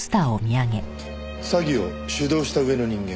詐欺を主導した上の人間